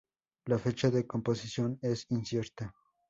La fecha de composición es incierta.